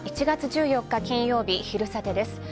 １月１４日金曜日昼サテです。